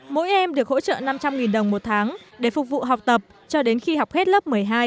mỗi em được hỗ trợ năm trăm linh đồng một tháng để phục vụ học tập cho đến khi học hết lớp một mươi hai